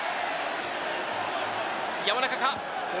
山中か。